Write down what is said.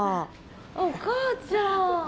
あっお母ちゃん。